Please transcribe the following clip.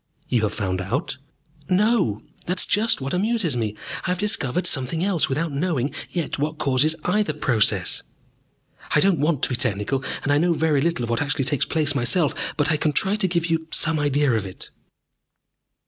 "You have found out?" "No, that is just what amuses me. I have discovered something else without knowing yet what causes either process. "I don't want to be technical, and I know very little of what actually takes place myself. But I can try to give you some idea of it."